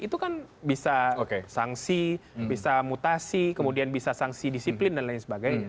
itu kan bisa sanksi bisa mutasi kemudian bisa sanksi disiplin dan lain sebagainya